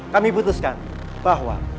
kami putuskan bahwa